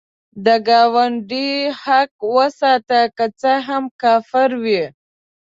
د ګاونډي حق وساته، که څه هم کافر وي